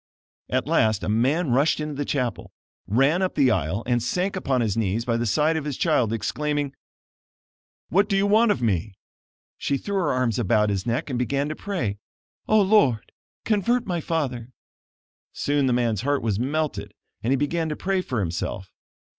At last a man rushed into the chapel, ran up the aisle and sank upon his knees by the side of his child, exclaiming: "What do you want of me?" She threw her arms about his neck, and began to pray: "Oh, Lord, convert my father!" Soon the man's heart was melted and he began to pray for himself.